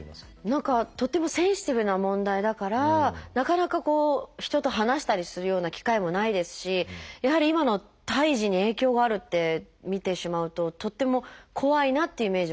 何かとってもセンシティブな問題だからなかなか人と話したりするような機会もないですしやはり今の胎児に影響があるって見てしまうととっても怖いなっていうイメージもありますね。